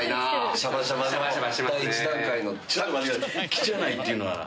汚いっていうのは？